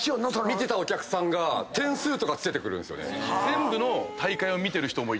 見てたお客さんが点数とかつけてくるんすよね。